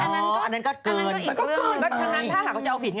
อ๋ออันนั้นก็เกิน